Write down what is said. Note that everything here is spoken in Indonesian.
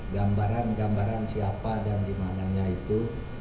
gambaran gambaran siapa dan dimananya itu